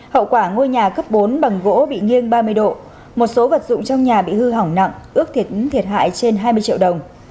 hậu quả ngôi nhà cấp bốn bằng gỗ bị nghiêng ba mươi độ một số vật dụng trong nhà bị hư hỏng nặng ước thiệt hại trên hai mươi triệu đồng